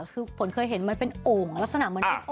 คือฝนเคยเห็นมันเป็นโอ่งลักษณะเหมือน